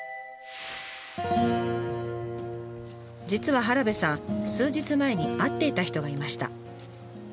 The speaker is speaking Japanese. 実は原部さん数日前に会っていた人がいました。